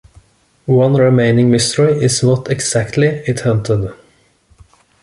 One remaining mystery is what exactly it hunted.